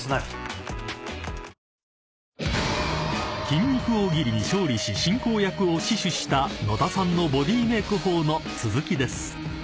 ［筋肉大喜利に勝利し進行役を死守した野田さんのボディメイク法の続きです］